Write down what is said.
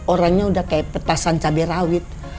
orangnya udah kayak petasan cabai rawit